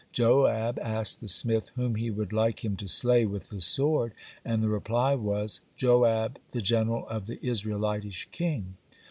Joab asked the smith whom he would like him to slay with the sword, and the reply was, "Joab, the general of the Israelitish king."